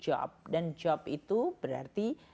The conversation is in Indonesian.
job dan job itu berarti